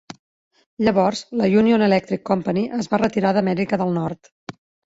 Llavors, la Union Electric Company es va retirar d'Amèrica del Nord.